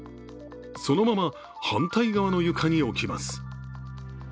そのまま、反対側の床に置きます。